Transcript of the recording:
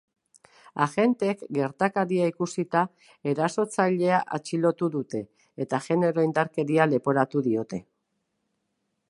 Agenteek gertakaria ikusita, erasotzailea atxilotu dute, eta genero-indarkeria leporatu diote.